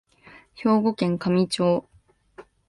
兵庫県香美町